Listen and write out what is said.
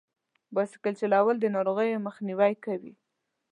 بایسکل چلول د ناروغیو مخنیوی کوي.